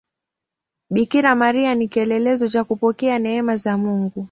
Bikira Maria ni kielelezo cha kupokea neema za Mungu.